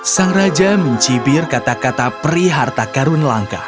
sang raja mencibir kata kata peri harta karun langka